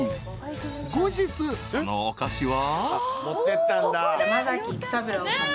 ［後日そのお菓子は］